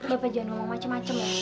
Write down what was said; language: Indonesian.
bapak jangan ngomong macem macem ya